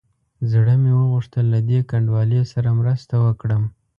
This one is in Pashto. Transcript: زړه مې وغوښتل له دې کنډوالې سره مرسته وکړم.